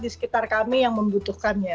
di sekitar kami yang membutuhkannya